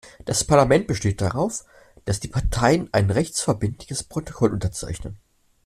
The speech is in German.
Das Parlament besteht darauf, dass die Parteien ein rechtsverbindliches Protokoll unterzeichnen.